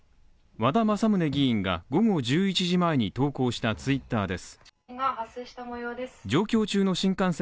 和田政宗議員が午後１１時前に投稿したＴｗｉｔｔｅｒです。